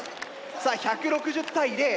さあ１６０対０。